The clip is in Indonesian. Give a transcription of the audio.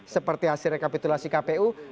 seperti hasil rekapitulasi kpu